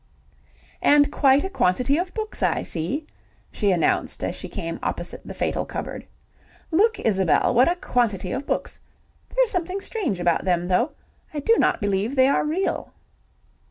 "And quite a quantity of books, I see," she announced as she came opposite the fatal cupboard. "Look, Isabel, what a quantity of books. There is something strange about them, though; I do not believe they are real."